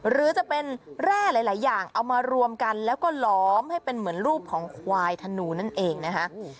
หรือจะเป็นแร่หลายอย่างเอามารวมกันแล้วก็หลอมให้เป็นเหมือนรูปของควายธนูนั่นเองนะคะ